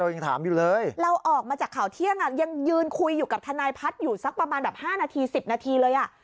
ยังถามอยู่เลยเราออกมาจากข่าวเที่ยงอ่ะยังยืนคุยอยู่กับทนายพัฒน์อยู่สักประมาณแบบ๕นาที๑๐นาทีเลยอ่ะ